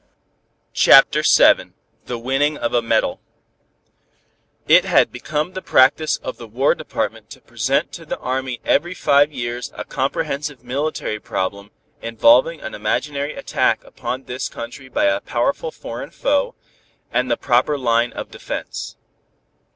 CHAPTER VII THE WINNING OF A MEDAL It had become the practice of the War Department to present to the army every five years a comprehensive military problem involving an imaginary attack upon this country by a powerful foreign foe, and the proper line of defense.